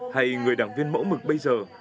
hay người đảng viên mẫu mực bây giờ